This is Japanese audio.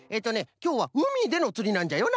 きょうはうみでのつりなんじゃよな？